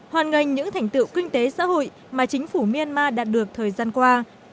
hoàn ngành những thành tựu kinh tế xã hội mà chính phủ myanmar đạt được thời gian qua